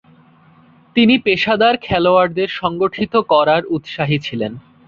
তিনি পেশাদার খেলোয়াড়দের সংগঠিত করায় উৎসাহী ছিলেন।